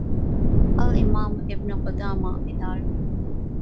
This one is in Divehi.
އަލްއިމާމު އިބްނުޤުދާމާ ވިދާޅުވި